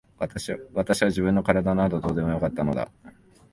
私は自分の体などどうでもよかったのだ。